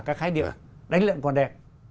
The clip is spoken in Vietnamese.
các khái địa đánh lệnh quan đề